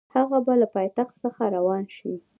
هغه به له پایتخت څخه روان شي.